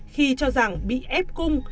khi cho rằng bị ép cung